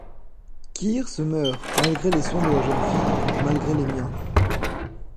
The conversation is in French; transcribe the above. Kear se meurt, malgré les soins de la jeune fille, malgré les miens.